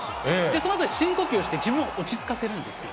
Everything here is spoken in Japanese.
そのあとに深呼吸して、自分を落ち着かせるんですよ。